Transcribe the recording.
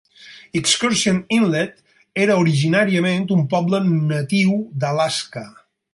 Excursion Inlet era originàriament un poble natiu d'Alaska.